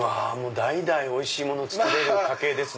代々おいしいもの作れる家系ですね。